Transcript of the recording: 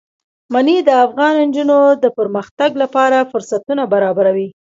منی د افغان نجونو د پرمختګ لپاره فرصتونه برابروي.